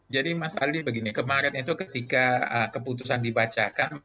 ini mas aldi begini kemarin itu ketika keputusan dibacakan